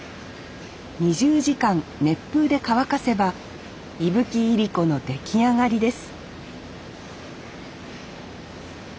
２０時間熱風で乾かせば伊吹いりこの出来上がりです